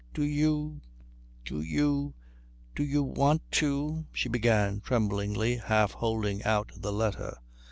"Do you do you do you want to " she began tremblingly, half holding out the letter.